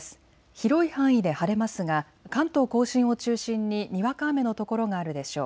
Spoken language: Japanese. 広い範囲で晴れますが関東甲信を中心ににわか雨の所があるでしょう。